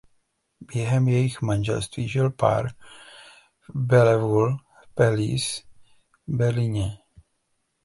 Během jejich manželství žil pár v Bellevue Palace v Berlíně.